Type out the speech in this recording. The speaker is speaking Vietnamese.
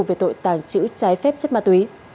về tội tàng trữ trái phép chất ma túy